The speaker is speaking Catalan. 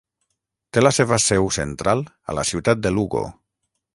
Té la seva seu central a la ciutat de Lugo.